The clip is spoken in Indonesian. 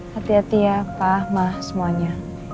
hati hati ya pak ahmad semuanya